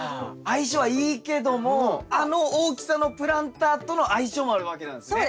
相性はいいけどもあの大きさのプランターとの相性もあるわけなんですね。